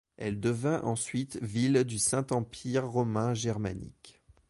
Elle devint ensuite ville du Saint Empire romain germanique.